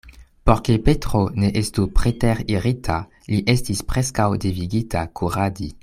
Por ke Petro ne estu preteririta, li estis preskaŭ devigita kuradi.